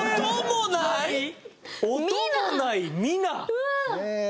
うわ。